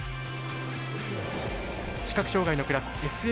視覚障がいのクラスＳＭ１３